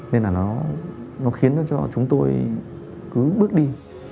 nên là nó khiến cho chúng tôi cứ bước đi